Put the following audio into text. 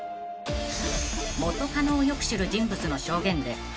［元カノをよく知る人物の証言で］